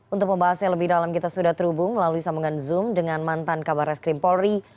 untuk membahasnya lebih dalam kita sudah terhubung melalui sambungan zoom dengan mantan kabar reskrim polri